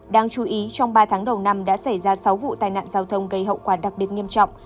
đáng chú ý trong ba tháng đầu năm đã xảy ra sáu vụ tai nạn giao thông gây hậu quả đặc biệt nghiêm trọng